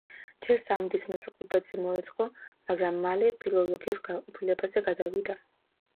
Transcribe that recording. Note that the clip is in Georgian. ჯერ სამედიცინო ფაკულტეტზე მოეწყო, მაგრამ მალე ფილოლოგიურ განყოფილებაზე გადავიდა.